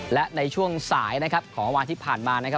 และในช่วงสายนะครับของวันที่ผ่านมานะครับ